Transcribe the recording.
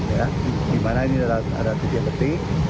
ya dimana ini ada titik titik